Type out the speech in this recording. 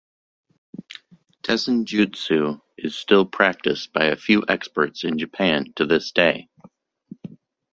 "Tessenjutsu" is still practiced by a few experts in Japan to this day.